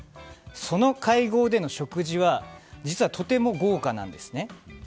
その会合での食事は実はとても豪華なんですね。